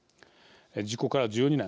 事故から１２年。